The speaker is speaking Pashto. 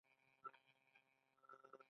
افغانستان د زړه ټوټه ده